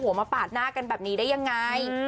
มาปาดหน้ากันแบบนี้ได้ยังไง